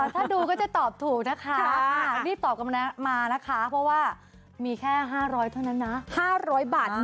ถ้าดูก็จะตอบถูกนะคะนี่ตอบไปมานะคะเพราะว่ามีแค่๕๐๐เท่านั้นนะ